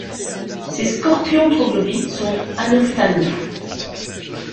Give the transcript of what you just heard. Ces scorpions troglobies sont anophthalmes.